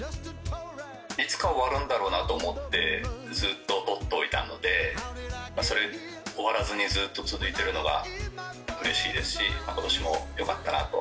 いつか終わるんだろうなと思って、ずっととっといたので、それが終わらずにずっと続いてるのがうれしいですし、ことしもよかったなと。